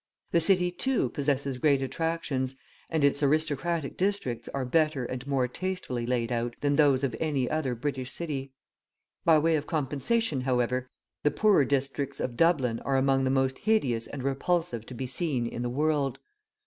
The city, too, possesses great attractions, and its aristocratic districts are better and more tastefully laid out than those of any other British city. By way of compensation, however, the poorer districts of Dublin are among the most hideous and repulsive to be seen in the world.